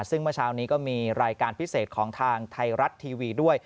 ซึ่งเมื่อเช้านี้ก็มีรายการพิเศษของทางไทยรัฐทีวีด้วย